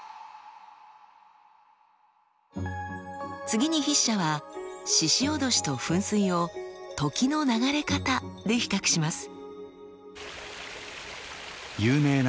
次に筆者は鹿おどしと噴水を時の流れ方で比較します。